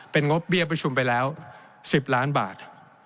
เป็นงบเบี้ยประชุมไปแล้ว๑๐ล้านบาท